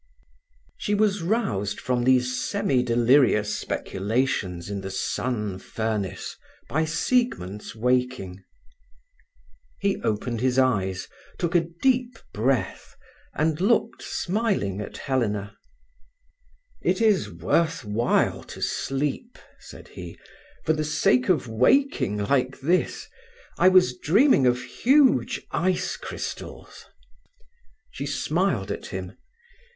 She was roused from these semi delirious speculations in the sun furnace by Siegmund's waking. He opened his eyes, took a deep breath, and looked smiling at Helena. "It is worth while to sleep," said he, "for the sake of waking like this. I was dreaming of huge ice crystals." She smiled at him.